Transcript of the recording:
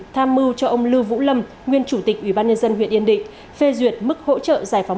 tham mưu cho ông lưu vũ lâm nguyên chủ tịch ủy ban nhân dân huyện yên định phê duyệt mức hỗ trợ giải phóng